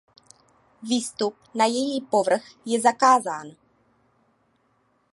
Výstup na její povrch je zakázán.